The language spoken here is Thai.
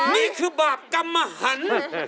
นี่คือบาปกรรมหัน